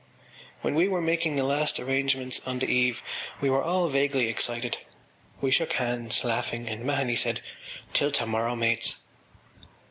When we were making the last arrangements on the eve we were all vaguely excited. We shook hands, laughing, and Mahony said: “Till tomorrow, mates!